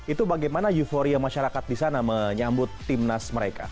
itu bagaimana euforia masyarakat disana menyambut timnas mereka